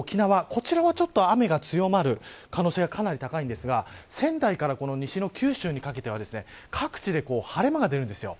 こちらは、ちょっと雨が強まる可能性がかなり高いんですが仙台から西の九州にかけては各地で晴れ間が出るんですよ。